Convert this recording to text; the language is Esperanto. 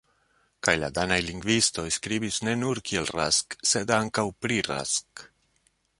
Kaj la danaj lingvistoj skribis ne nur kiel Rask, sed ankaŭ pri Rask.